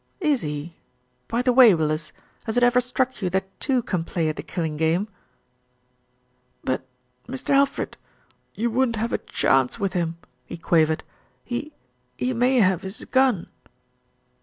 "Is he? By the way, Willis, has it ever struck you that two can play at the killing game?" "But, Mr. Alfred, you wouldn't have a chance with* him," he quavered. "He he may have his gun."